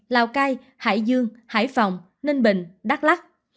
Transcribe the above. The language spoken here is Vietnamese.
lào cai hải dương hải phòng ninh bình đắk lắc